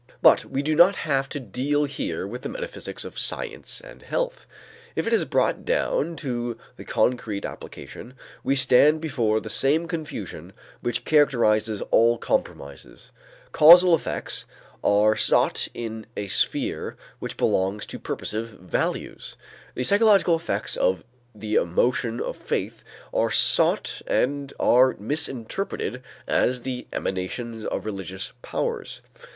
But we do not have to deal here with the metaphysics of "Science and Health." If it is brought down to the concrete application, we stand before the same confusion which characterizes all compromises. Causal effects are sought in a sphere which belongs to purposive values. The psychological effects of the emotion of faith are sought and are misinterpreted as the emanations of religious powers.